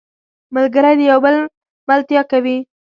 ملګری د یو بل ملتیا کوي